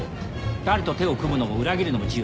誰と手を組むのも裏切るのも自由。